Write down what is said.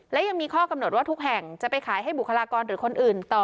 และยังมีข้อกำหนดว่าทุกแห่งจะไปขายให้บุคลากรหรือคนอื่นต่อ